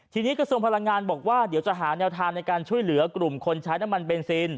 ทีนี้กระทรวงพลังงานบอกว่าเดี๋ยวจะหาแนวทางในการช่วยเหลือกลุ่มคนใช้น้ำมันเบนซิน